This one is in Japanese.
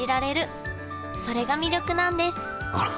それが魅力なんですあら！